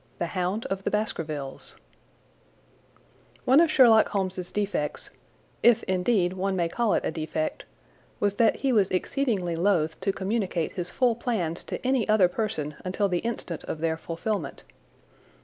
The Hound of the Baskervilles One of Sherlock Holmes's defects—if, indeed, one may call it a defect—was that he was exceedingly loath to communicate his full plans to any other person until the instant of their fulfilment.